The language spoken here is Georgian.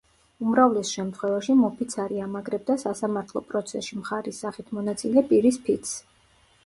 უმრავლეს შემთხვევაში მოფიცარი ამაგრებდა სასამართლო პროცესში მხარის სახით მონაწილე პირის ფიცს.